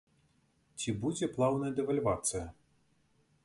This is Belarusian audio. Ці будзе плаўная дэвальвацыя?